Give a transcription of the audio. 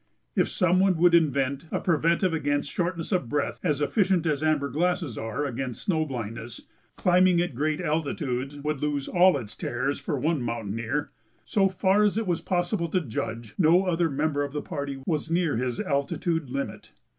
If some one would invent a preventive against shortness of breath as efficient as amber glasses are against snow blindness, climbing at great altitudes would lose all its terrors for one mountaineer. So far as it was possible to judge, no other member of the party was near his altitude limit.